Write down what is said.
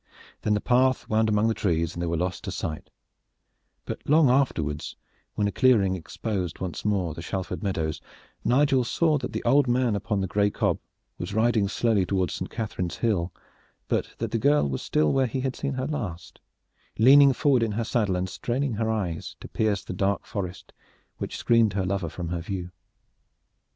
Then the path wound amongst the trees and they were lost to sight; but long afterwards when a clearing exposed once more the Shalford meadows Nigel saw that the old man upon the gray cob was riding slowly toward Saint Catharine's Hill, but that the girl was still where he had seen her last, leaning forward in her saddle and straining her eyes to pierce the dark forest which screened her lover from her view.